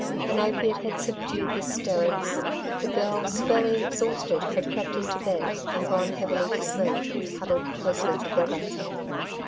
An opiate had subdued the " 'stericks/' The girls, fairly exhausted, had crept into bed, and gone heavily to sleep, huddled closely together.